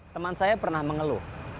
teman saya pernah mengeluh